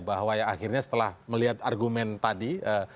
bahwa ya akhirnya setelah melihat argumen tadi